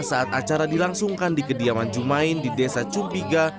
saat acara dilangsungkan di kediaman jumain di desa cumpiga